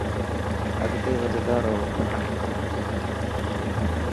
اڳتي وڌندا رهو.